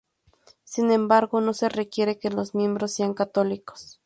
Sin embargo, no se requiere que los miembros sean católicos.